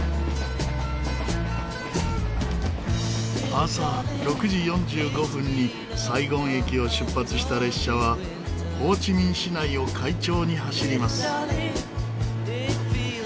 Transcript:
朝６時４５分にサイゴン駅を出発した列車はホーチミン市内を快調に走ります。